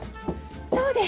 そうです。